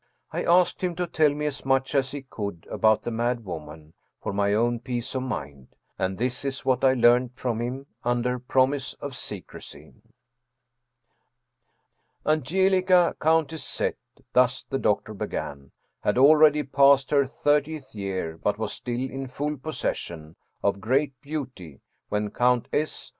I asked him to tell me as much as he could about the mad woman, for my own peace of mind ; and this is what I learned from him under promise of secrecy. " Angelica, Countess Z.," thus the doctor began, " had already passed her thirtieth year, but was still in full pos session of great beauty, when Count S.